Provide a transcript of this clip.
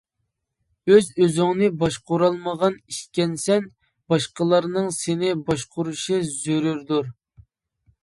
ئۆز-ئۆزۈڭنى باشقۇرالمىغان ئىكەنسەن باشقىلارنىڭ سېنى باشقۇرۇشى زۆرۈردۇر.